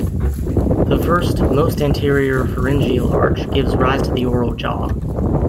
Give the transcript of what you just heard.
The first, most anterior pharyngeal arch gives rise to the oral jaw.